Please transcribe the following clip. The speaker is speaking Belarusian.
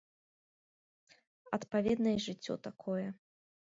Адпаведна і жыццё такое.